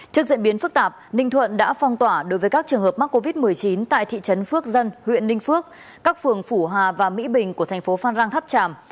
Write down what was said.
trước diễn biến phức tạp ninh thuận đã phong tỏa đối với các trường hợp mắc covid một mươi chín tại thị trấn phước dân huyện ninh phước các phường phủ hà và mỹ bình của thành phố phan rang tháp tràm